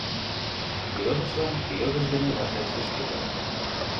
- йодышлан йодыш дене вашештыш тудо.